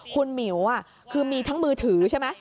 คุณหมิวคือมีทั้งมือถือใช่ไหม